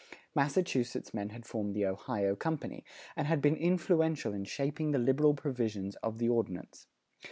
Massachusetts men had formed the Ohio Company, and had been influential in shaping the liberal provisions of the Ordinance.